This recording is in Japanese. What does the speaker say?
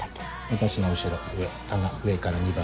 私の後ろ上棚上から２番目。